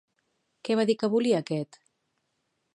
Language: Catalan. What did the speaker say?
Què va dir que volia aquest?